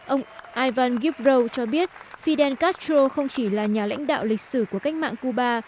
ông ivan gibrow cho biết fidel castro không chỉ là nhà lãnh đạo lịch sử của cách mạng cuba